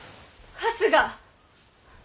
春日